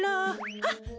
あっ！